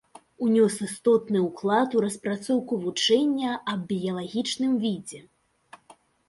Унёс істотны ўклад у распрацоўку вучэння аб біялагічным відзе.